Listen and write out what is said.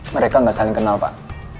mereka nggak saling kenal pak